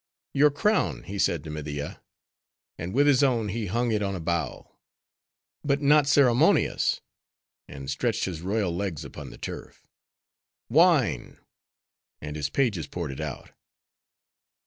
"Your crown," he said to Media; and with his own, he hung it on a bough. "Be not ceremonious:" and stretched his royal legs upon the turf. "Wine!" and his pages poured it out.